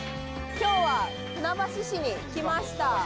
今日は船橋市に来ました。